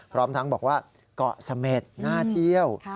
พร้อมทั้งบอกว่าเกาะเสม็ดน่าเที่ยว